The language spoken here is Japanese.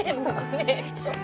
ねえちょっと。